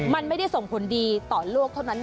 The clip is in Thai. มันไม่ได้ส่งผลดีต่อโลกเท่านั้น